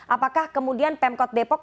apakah kemudian pemkot depok